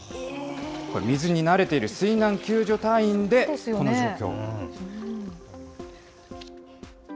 これ、水に慣れている水難救助隊員でこの状況。